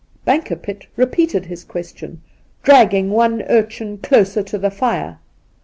Bankerpitt re peated his question, dragging one urchin closer to the fire.